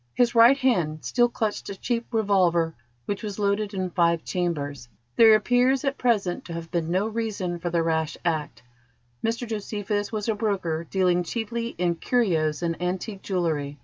His right hand still clutched a cheap revolver which was loaded in five chambers. There appears at present to have been no reason for the rash act. Mr Josephus was a broker dealing chiefly in curios and antique jewellery.